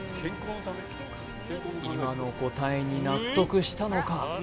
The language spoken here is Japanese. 今の答えに納得したのか？